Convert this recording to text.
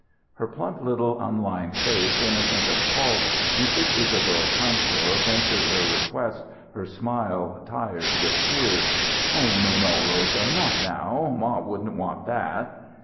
Her plump little unlined face innocent of fault, Mrs. Isadore Kantor ventured her request, her smile tired with tears." "No, no Rosa not now ma wouldn't want that."